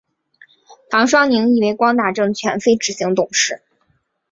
唐双宁亦为光大证券非执行董事。